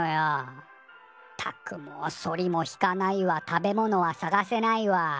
ったくもうソリも引かないわ食べ物は探せないわ。